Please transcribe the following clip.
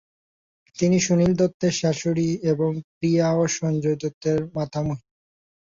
তিনি সুনীল দত্তের শাশুড়ি এবং প্রিয়া ও সঞ্জয় দত্তের মাতামহী।